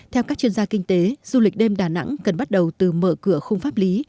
theo các chuyên gia kinh tế du lịch đêm đà nẵng cần bắt đầu từ mở cửa không pháp lý